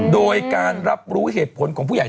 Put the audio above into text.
โดยการรับรู้เหตุผลของผู้ใหญ่